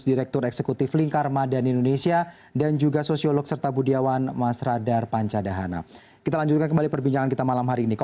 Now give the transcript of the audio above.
istilah mayoritas minoritas itu kan istilahnya